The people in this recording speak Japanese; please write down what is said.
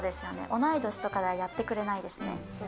同い年とかはやってくれないですね。